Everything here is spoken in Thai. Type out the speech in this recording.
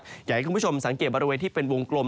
อยากให้คุณผู้ชมสังเกตบริเวณที่เป็นวงกลม